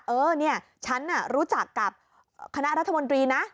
เออเนี่ยฉันน่ะรู้จักกับคณะรัฐมนตรีนะ